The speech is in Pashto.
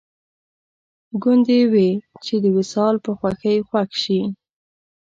ګوندې وي چې د وصال په خوښۍ خوښ شي